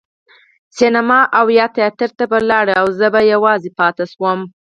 سینما او یا تیاتر ته به لاړل او زه به یوازې پاتې شوم.